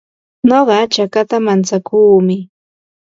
Nuqa chakata mantsakuumi.